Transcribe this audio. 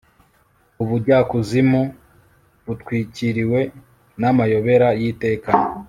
ubujyakuzimu, butwikiriwe n'amayobera y'iteka